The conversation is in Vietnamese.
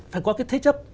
phải có cái thế chấp